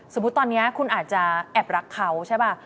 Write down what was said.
สมมุติตอนนี้คุณอาจจะแอบรักเขาใช่ไหม